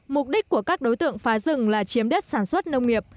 mục đích của các đối tượng phá rừng là chiếm đất sản xuất nông nghiệp